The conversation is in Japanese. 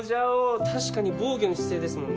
確かに防御の姿勢ですもんね。